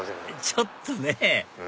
ちょっとね